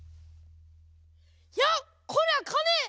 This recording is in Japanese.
やっ⁉こりゃかね！